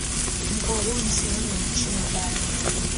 Mkoa huu ni sehemu ya Uchina Bara.